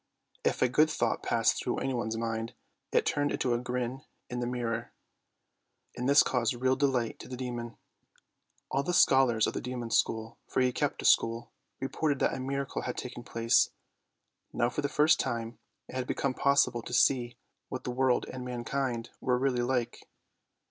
If a good thought passed through anyone's mind, it turned to a grin in the mirror, and this caused real delight to the demon. All the scholars of the demon's school, for he kept a school, reported that a miracle had taken place: now for the 186 THE SNOW QUEEN 187 first time it had become possible to see what the world and mankind were really like.